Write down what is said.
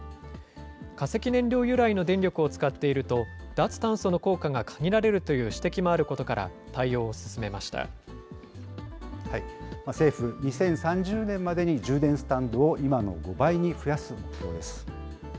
化石燃料由来の電力を使っていると、脱炭素の効果が限られるという指摘もあることから、対応を進めま政府、２０３０年までに、充電スタンドを今の５倍に増やす目標です。